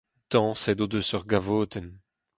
Dañset o deus ur gavotenn.